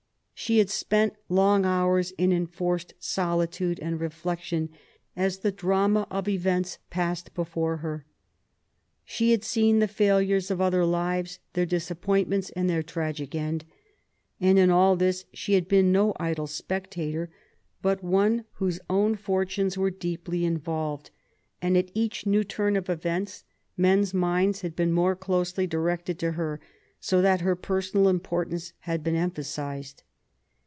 She had spent long hours in enforced solitude and reflection as the drama of events passed before her. She had seen the failures of other lives, their disappointments, and their tragic end. And, in all this, she had been no idle spectator, but one whose own fortunes were deeply involved; and at each new turn of events men's minds had been more closely directed to her, so that her personal importance had been emphasised.